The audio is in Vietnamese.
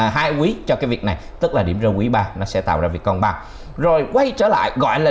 hai quý cho cái việc này tức là điểm ra quý ba nó sẽ tạo ra việc còn bằng rồi quay trở lại gọi là